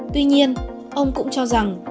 tuy nhiên ông cũng cho rằng